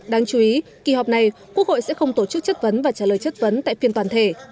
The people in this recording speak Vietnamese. đáng chú ý kỳ họp này quốc hội sẽ không tổ chức chất vấn và trả lời chất vấn tại phiên toàn thể